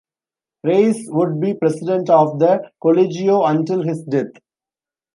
Reyes would be president of the "Colegio" until his death.